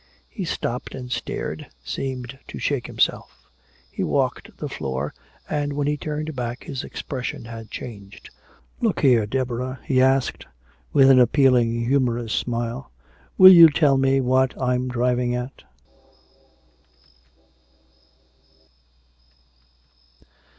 He stopped and stared, seemed to shake himself; he walked the floor. And when he turned back his expression had changed. "Look here, Deborah," he asked, with an appealing humorous smile, "will you tell me what I'm driving at?"